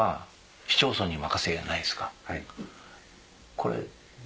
これ。